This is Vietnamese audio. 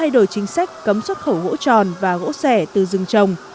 đổi chính sách cấm xuất khẩu gỗ tròn và gỗ sẻ từ rừng trồng